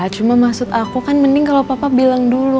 cuma maksud aku kan mending kalau papa bilang dulu